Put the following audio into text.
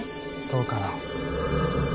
どうかな？